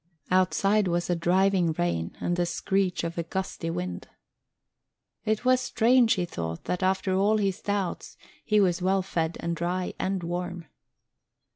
Outside was a driving rain and the screech of a gusty wind. It was strange, he thought, that after all his doubts, he was well fed and dry and warm.